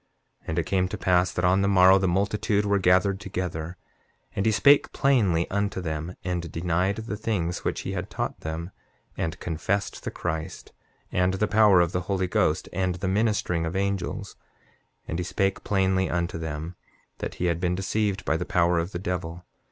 7:17 And it came to pass that on the morrow the multitude were gathered together; and he spake plainly unto them and denied the things which he had taught them, and confessed the Christ, and the power of the Holy Ghost, and the ministering of angels. 7:18 And he spake plainly unto them, that he had been deceived by the power of the devil.